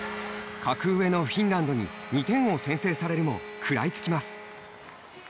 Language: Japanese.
格上のフィンランドに２点を先制されるも食らいつきます。